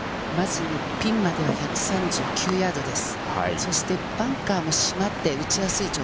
ピンまで１３９ヤードです。